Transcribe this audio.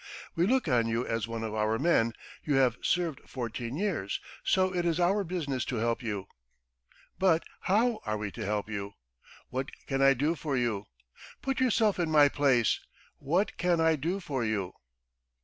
We look on you as one of our men, you have served fourteen years, so it is our business to help you. ... But how are we to help you? What can I do for you? Put yourself in my place: what can I do for you?"